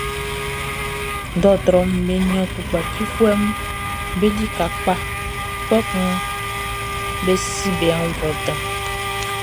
Dɔɔtrɔʼm be nian tukpacifuɛʼm be lika kpa, kpɛkun be si be aunnvuɛ dan.